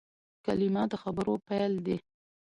کلیمه د خبرو پیل دئ.